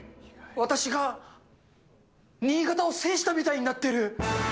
私が新潟を制したみたいにな